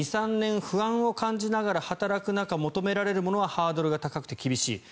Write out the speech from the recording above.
不安を感じながら働く中求められるものはハードルが高くて厳しい。